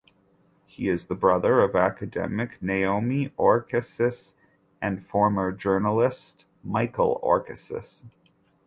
He is the brother of academic Naomi Oreskes and former journalist Michael Oreskes.